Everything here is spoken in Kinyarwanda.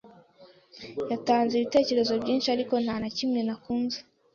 yatanze ibitekerezo byinshi, ariko nta na kimwe nakunze.